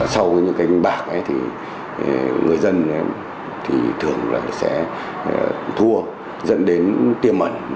sau những cái bạc người dân thường sẽ thua dẫn đến tiêm ẩn